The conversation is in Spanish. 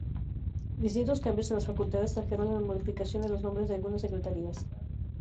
Distintos cambios en las facultades trajeron la modificación en los nombres de algunas secretarías.